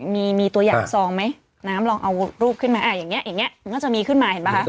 มีตัวอย่างซองไหมนะครับลองเอารูปขึ้นมาอย่างนี้มันก็จะมีขึ้นมาเห็นไหมคะ